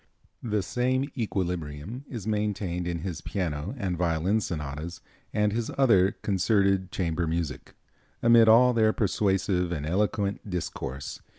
The same equilibrium is maintained in his piano and violin sonatas and his other concerted chamber music, amid all their persuasive and eloquent discourse.